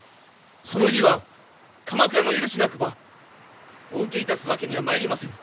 その儀は鎌倉の許しなくばお受けいたすわけにはまいりませぬ。